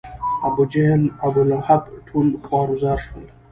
ابوجهل، ابولهب ټول خوار و زار شول.